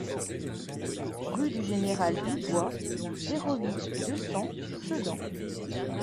Rue du Général Dubois, zéro huit, deux cents Sedan